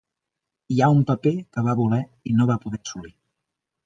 Hi ha un paper que va voler i no va poder assolir.